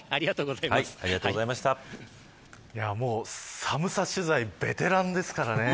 寒さ取材ベテランですからね。